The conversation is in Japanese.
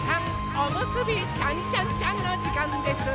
おむすびちゃんちゃんちゃんのじかんです！